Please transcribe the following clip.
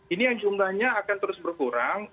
ini yang jumlahnya akan terus berkurang